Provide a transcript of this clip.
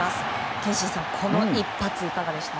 憲伸さん、この一発いかがでした？